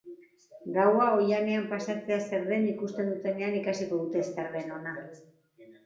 Gaua oihanean pasatzea zer den ikusten dutenean ikasiko dute zer den ona.